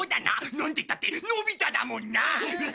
なんてったってのび太だもんな。